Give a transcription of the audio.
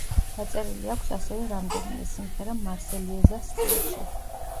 დაწერილი აქვს ასევე რამდენიმე სიმღერა მარსელიეზას სტილში.